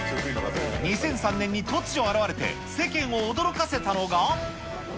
２００３年に突如現れて世間を驚かせたのが。